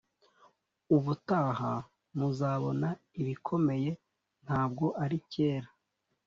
ubutaha muzabona ibikomeye, ntabwo ari cyera